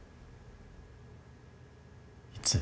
いつ？